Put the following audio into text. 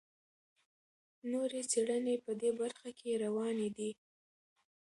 نورې څېړنې په دې برخه کې روانې دي.